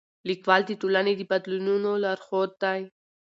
لیکوال د ټولنې د بدلونونو لارښود دی.